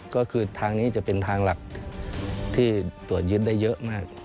ก็คือทางนี้จะเป็นทางหลักที่ตรวจยึดได้เยอะมาก